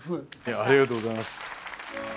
ありがとうございます。